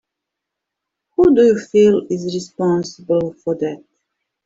Who do you feel is responsible for that?